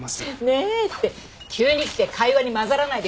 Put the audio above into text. ねえ。って急に来て会話に交ざらないでくれる？